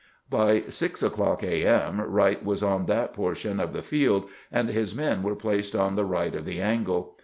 By six o'clock a, m. Wright was on that portion of the field, and his men were placed on the right of the " angle."